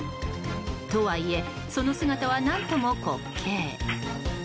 とはいえ、その姿は何とも滑稽。